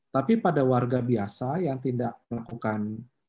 tapi pada warga biasa yang tidak melakukan